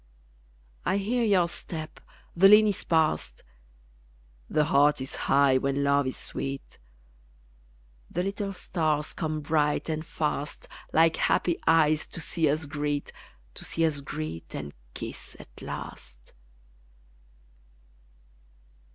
I hear your step; the lane is passed; The heart is high when LOVE is sweet The little stars come bright and fast, Like happy eyes to see us greet, To see us greet and kiss at last.